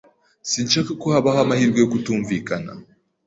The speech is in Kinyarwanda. Sinshaka ko habaho amahirwe yo kutumvikana.